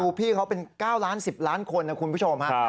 ว่าพวกพี่เขาเป็น๙ล้าน๑๐ล้านคนนะคุณคุณผู้ชมครับ